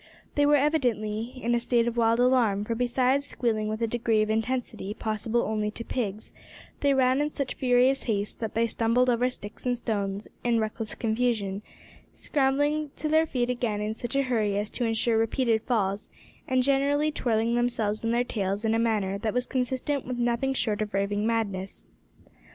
They were evidently in a state of wild alarm, for, besides squealing with a degree of intensity possible only to pigs, they ran in such furious haste that they stumbled over sticks and stones in reckless confusion, scrambling to their feet again in such a hurry as to ensure repeated falls, and, generally, twirling themselves and their tails in a manner that was consistent with nothing short of raving madness.